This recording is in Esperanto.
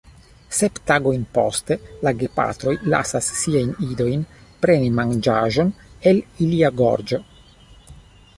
Sep tagojn poste la gepatroj lasas siajn idojn preni manĝaĵon el ilia gorĝo.